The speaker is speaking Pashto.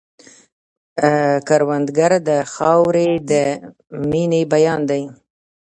کروندګر د خاورې د مینې بیان دی